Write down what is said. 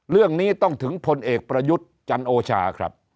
เรื่องนี้ต้องถึงพลเอกประยุทธ์จันโอชาครับ